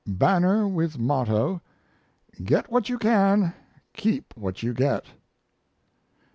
Banner with motto, "Get What You Can, Keep What You Get."